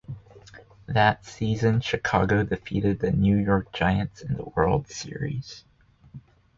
That season, Chicago defeated the New York Giants in the World Series.